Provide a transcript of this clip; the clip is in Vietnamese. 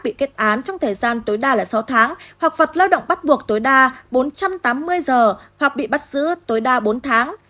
bị kết án trong thời gian tối đa là sáu tháng hoặc phạt lao động bắt buộc tối đa bốn trăm tám mươi giờ hoặc bị bắt giữ tối đa bốn tháng